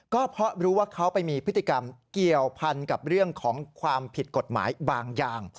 ก็เพราะรู้ว่าเขาไปมีพฤติกรรมเกี่ยวพันกับเรื่องของความผิดกฎหมายบางอย่าง